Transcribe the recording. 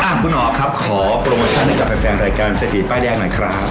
คุณอ๋อครับขอโปรโมชั่นให้กับแฟนรายการเศรษฐีป้ายแดงหน่อยครับ